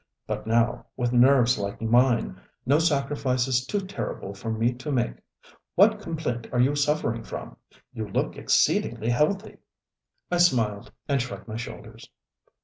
But now, with nerves like mine, no sacrifice is too terrible for me to make. What complaint are you suffering from? You look exceedingly healthy! ŌĆØ I smiled and shrugged my shoulders.